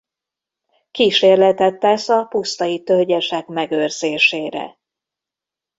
Kísérletet tesz a pusztai tölgyesek megőrzésére.